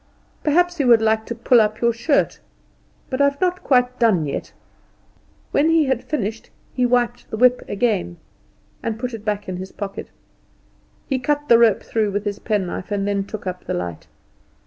Perhaps you would like to pull up your shirt? But I've not quite done yet." When he had finished he wiped the whip again, and put it back in his pocket. He cut the rope through with his penknife, and then took up the light.